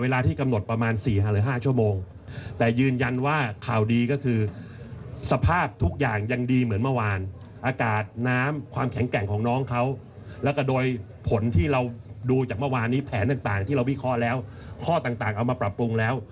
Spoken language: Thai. แล้วข้อต่างเอามาปรับปรุงแล้ว